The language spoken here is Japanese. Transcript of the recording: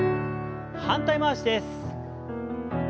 反対回しです。